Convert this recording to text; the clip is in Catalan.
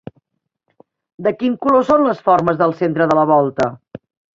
De quin color són les formes del centre de la volta?